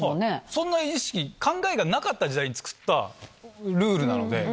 そんな意識、考えがなかった時代に作ったルールなので。